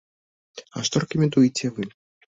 А што рэкамендуеце вы?